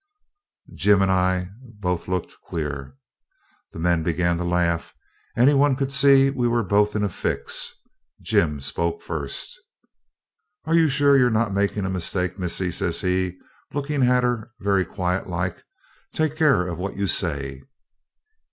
Jim and I both looked queer. The men began to laugh. Any one could see we were both in a fix. Jim spoke first. 'Are you sure you're not making a mistake, missis?' says he, looking at her very quiet like. 'Take care what you say.'